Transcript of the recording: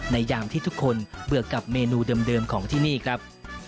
ยามที่ทุกคนเบื่อกับเมนูเดิมของที่นี่ครับ